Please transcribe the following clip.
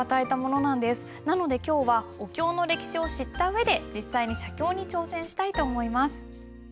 なので今日はお経の歴史を知った上で実際に写経に挑戦したいと思います。